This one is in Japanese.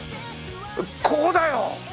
ここだよ！